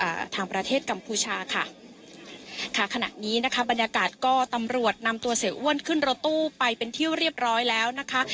ทางประเทศกัมพูชาค่ะค่ะขณะนี้นะคะบรรยากาศก็ตำรวจนำตัวเสียอ้วนขึ้นรถตู้ไปเป็นที่เรียบร้อยแล้วนะคะ